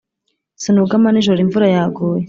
Sinugama nijoro imvura yaguye